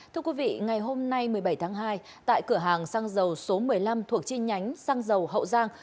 thưa quý vị ngày hôm nay một mươi bảy tháng hai tại cửa hàng xăng dầu số một mươi năm thuộc chi nhánh xăng dầu hậu giang